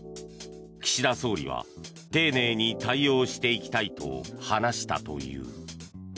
岸田総理は丁寧に対応していきたいと話したといいう。